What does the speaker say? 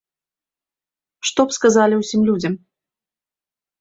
Што б сказалі ўсім людзям?